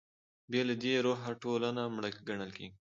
بې له دې روحه ټولنه مړه ګڼل کېږي.